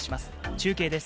中継です。